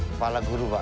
kepala guru pak